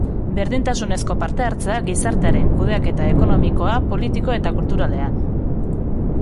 Berdintasunezko parte-hartzea gizartearen kudeaketa ekonomikoa, politiko eta kulturalean.